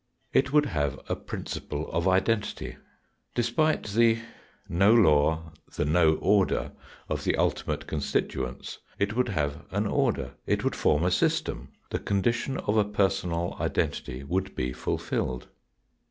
It would have a principle of identity. Despite the no law, the no order, of the ultimate constituents, it would have an order, it would form a system, the condition of a personal identity would be fulfilled.